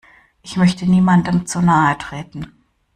Ich möchte niemandem zu nahe treten.